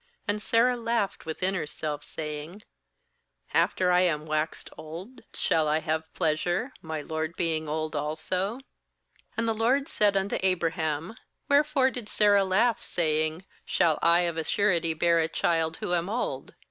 — 12And Sarah laughed within herself, saying: 'After I am waxed old shall I have pleasure, my lord being old also?' "And the LORD said unto Abraham: 'Wherefore did Sarah laugh, saying: Shall I of a surety bear a child, who am old?